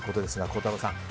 孝太郎さん